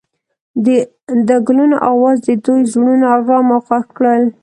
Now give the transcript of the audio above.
د ګلونه اواز د دوی زړونه ارامه او خوښ کړل.